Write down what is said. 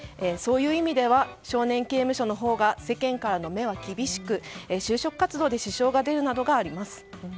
そういう意味では少年刑務所のほうが世間からの目は厳しく就職活動で支障が出るなどがあります。